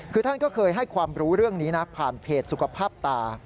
คือท่านก็เคยให้ความรู้เรื่องนี้นะผ่านเพจสุขภาพตา